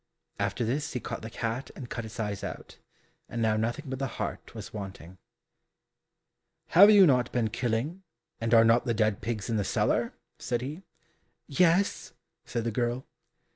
After this he caught the cat and cut its eyes out, and now nothing but the heart was wanting. "Have you not been killing, and are not the dead pigs in the cellar?" said he. "Yes," said the girl.